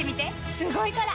すごいから！